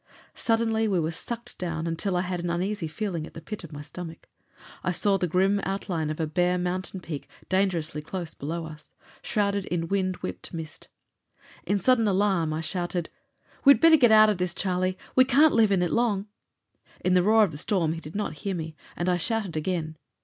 Suddenly we were sucked down until I had an uneasy feeling at the pit of my stomach. I saw the grim outline of a bare mountain peak dangerously close below us, shrouded in wind whipped mist. In sudden alarm I shouted, "We'd better get out of this, Charlie! We can't live in it long!" In the roar of the storm he did not hear me, and I shouted again.